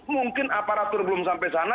mungkin aparatur belum sampai sana